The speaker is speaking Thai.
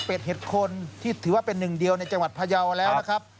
เป็นเห็ดคนที่ถือว่าเป็นหนึ่งเดียวในจังหวัดพยาวแล้วนะครับ